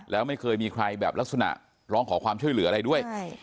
แล้วไม่เคยมีใครแบบลักษณะร้องขอความช่วยเหลืออะไรด้วย